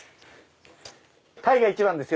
鯛が一番ですよ！